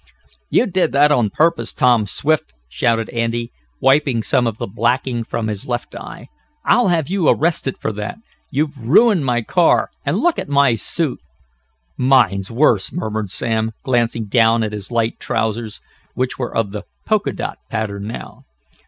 "You did that on purpose, Tom Swift!" shouted Andy, wiping some of the blacking from his left eye. "I'll have you arrested for that! You've ruined my car, and look at my suit!" "Mine's worse!" murmured Sam, glancing down at his light trousers, which were of the polka dot pattern now.